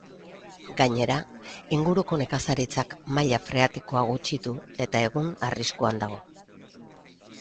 Gainera, inguruko nekazaritzak maila freatikoa gutxitu eta egun arriskuan dago.